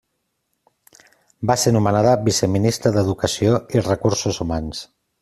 Va ser nomenada viceministra d'Educació i Recursos Humans.